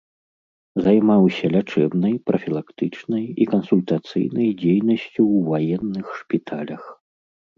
Займаўся лячэбнай, прафілактычнай і кансультацыйнай дзейнасцю ў ваенных шпіталях.